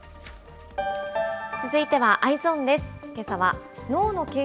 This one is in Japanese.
続いてはＥｙｅｓｏｎです。